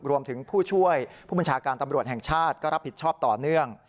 รวมถึงผู้ช่วยปุมาชาการตำรวจแห่งชาติก็รับผิดชอบต่อเนื่อง